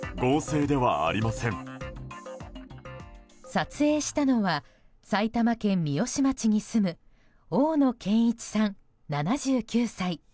撮影したのは埼玉県三芳町に住む大野健一さん、７９歳。